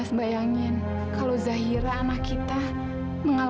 kalau saya masin masin di mana masihesz aku ikut sence into rizram